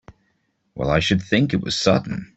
Well I should think it was sudden!